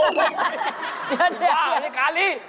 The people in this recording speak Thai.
โอ้โฮเห็นไหมครับชะแม่กาลี